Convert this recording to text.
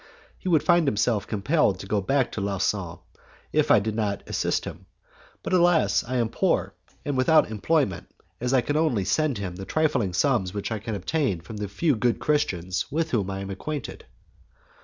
He would find himself compelled to go back to Lausanne, if I did not assist him. But, alas! I am poor, and without employment, so I can only send him the trifling sums which I can obtain from the few good Christians with whom I am acquainted.